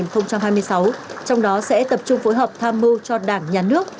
hai nghìn hai mươi hai hai nghìn hai mươi sáu trong đó sẽ tập trung phối hợp tham mưu cho đảng nhà nước